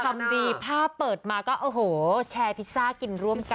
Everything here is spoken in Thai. ทำดีภาพเปิดมาก็โอ้โหแชร์พิซซ่ากินร่วมกัน